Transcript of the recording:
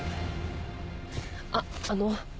あっあの。